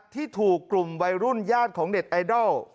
ที่ถูกกลุ่มวัยรุ่นญาติของเน็ตไอดอล